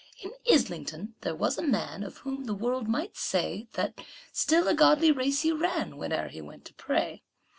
In Islington there was a man Of whom the world might say That still a godly race he ran Whene'er he went to pray.